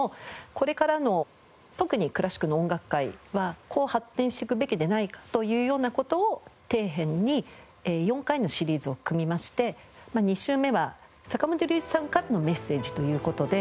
これからの特にクラシックの音楽会はこう発展してくべきでないかというような事を底辺に４回のシリーズを組みまして２週目は坂本龍一さんからのメッセージという事で。